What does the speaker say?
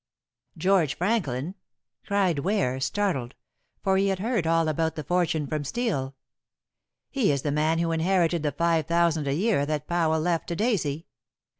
"George Franklin!" cried Ware, startled, for he had heard all about the fortune from Steel. "He is the man who inherited the five thousand a year that Powell left to Daisy.